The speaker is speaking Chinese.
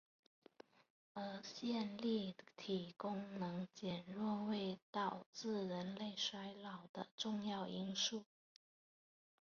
而线粒体功能减弱为导致人类衰老的重要因素。